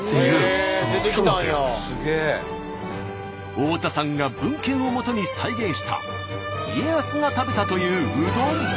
太田さんが文献をもとに再現した家康が食べたといううどん。